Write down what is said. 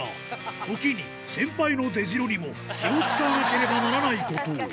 時に、先輩の出じろにも気を遣わなければならないことを。